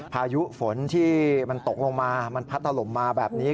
พายุฝนที่มันตกลงมามันพัดถล่มมาแบบนี้